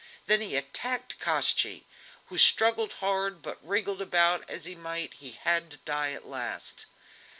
Then he attacked Koshchei, who struggled hard, but wriggle about as he might he had to die at last.